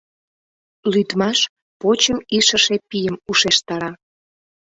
Лӱдмаш почым ишыше пийым ушештара.